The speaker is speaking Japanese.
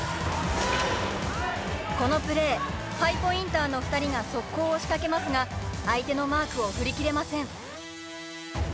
このプレーハイポインターの２人が速攻を仕掛けますが相手のマークを振り切れません。